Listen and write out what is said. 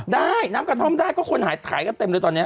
ได้น้ำกะท่อมได้ก็ควรอายให้ต่ำเลยตอนนี้